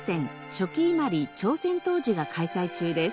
「初期伊万里朝鮮陶磁」が開催中です。